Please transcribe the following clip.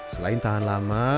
selain tahan lama